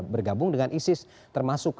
bergabung dengan isis termasuk